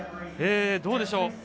どうでしょう？